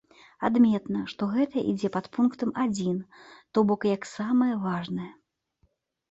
Адметна, што гэта ідзе пад пунктам адзін, то бок, як самае важнае.